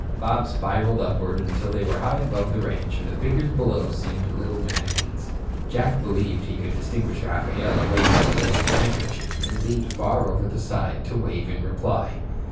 Bob spiralled upward until they were high above the ranch, and the figures below seemed little manikins. Jack believed he could distinguish Rafaela waving a lacy handkerchief, and leaned far over the side to wave in reply.